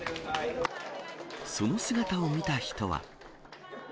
その姿を見た人は。